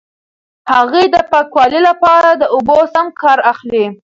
هغې د پاکوالي لپاره د اوبو سم کار اخلي.